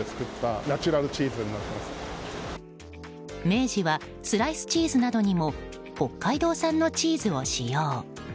明治はスライスチーズなどにも北海道産のチーズを使用。